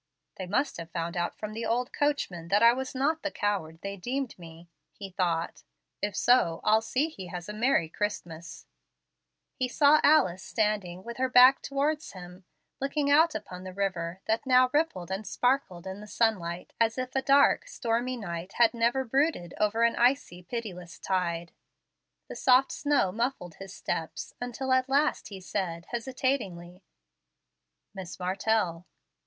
"They must have found out from the old coachman that I was not the coward they deemed me," he thought. "If so, I'll see he has a merry Christmas." He saw Alice standing with her back towards him, looking out upon the river, that now rippled and sparkled in the sunlight as if a dark, stormy night had never brooded over an icy, pitiless tide. The soft snow muffled his steps, until at last he said, hesitatingly, "Miss Martell."